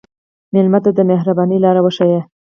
مېلمه ته د مهربانۍ لاره وښیه.